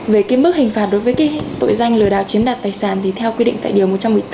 về cái mức hình phạt đối với cái tội danh lừa đảo chiếm đoạt tài sản thì theo quy định tại điều một trăm một mươi bốn